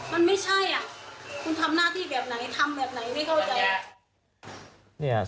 มันไม่ใช่อ่ะคุณทำหน้าที่แบบไหนทำแบบไหนไม่เข้าใจ